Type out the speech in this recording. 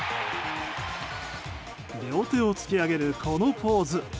両手を突き上げるこのポーズ。